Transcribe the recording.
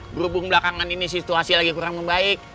berhubung belakangan ini situasi lagi kurang membaik